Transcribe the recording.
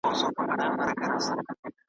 بزګر وویل غویی چي ستړی کېږي .